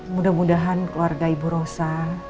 mudah mudahan keluarga ibu rosa